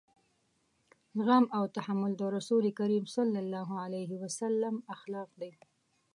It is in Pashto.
زغم او تحمل د رسول کريم صلی الله علیه وسلم اخلاق دي.